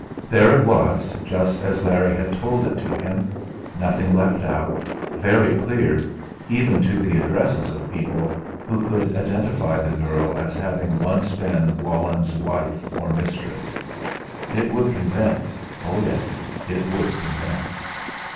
There it was, just as Larry had told it to him nothing left out, very clear; even to the addresses of people who could identify the girl as having once been Walenn's wife or mistress. It would convince. Yes! It would convince.